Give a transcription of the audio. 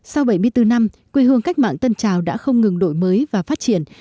sau bảy mươi bốn năm quê hương cách mạng tân trào đã không ngừng đổi mới và phát triển